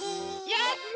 やった！